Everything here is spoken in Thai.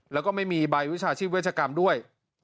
แล้วก็ไม่มีใบวิชาชีพเวชกรรมด้วย